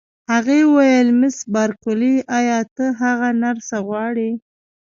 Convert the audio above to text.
هغې وویل: مس بارکلي، ایا ته هغه نرسه غواړې؟